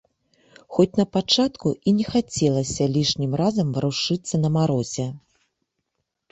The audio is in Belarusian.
Хоць на пачатку і не хацелася лішнім разам варушыцца на марозе.